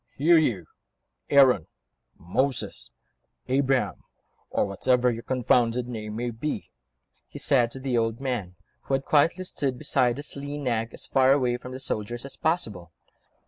"Here, you ... Aaron, Moses, Abraham, or whatever your confounded name may be," he said to the old man, who had quietly stood beside his lean nag, as far away from the soldiers as possible.